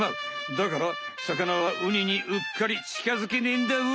だから魚はウニにうっかり近づけねえんだわ。